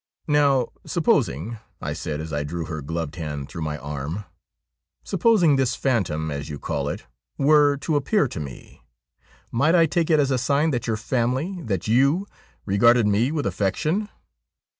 ' Now, supposing,' I said as I drew her gloved hand through my arm —' supposing this phantom, as you call it, were to appear to me, might I take it as a sign that your family — that you — regarded me with affection